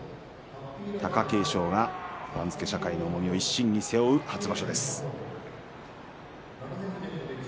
貴景勝が番付の重みを一身に背負う初場所です。